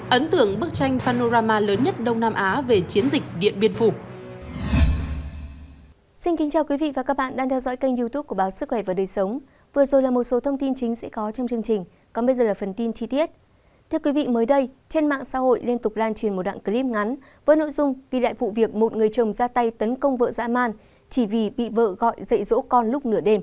ấn tưởng bức tranh panorama lớn nhất đông nam á về chiến dịch điện biên phủ